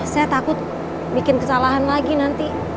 saya takut bikin kesalahan lagi nanti